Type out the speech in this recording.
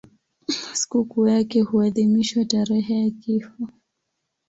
Sikukuu yake huadhimishwa tarehe ya kifo.